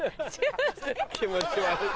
気持ち悪っ。